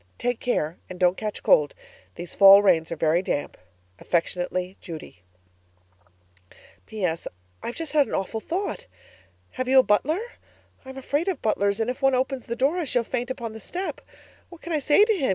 Take care and don't catch cold. These fall rains are very damp. Affectionately, Judy PS. I've just had an awful thought. Have you a butler? I'm afraid of butlers, and if one opens the door I shall faint upon the step. What can I say to him?